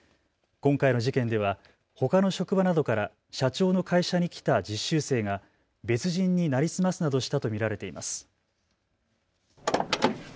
今回の事件ではほかの職場などから社長の会社に来た実習生が別人に成り済ますなどしたと見られています。